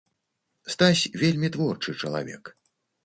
Стась вельмі творчы чалавек.